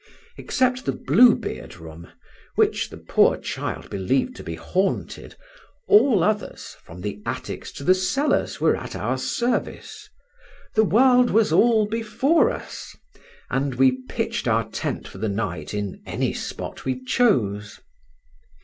Except the Bluebeard room, which the poor child believed to be haunted, all others, from the attics to the cellars, were at our service; "the world was all before us," and we pitched our tent for the night in any spot we chose.